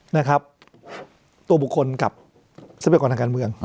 นะครับตัวบุคคลกับทรัพยากรทางการเมือง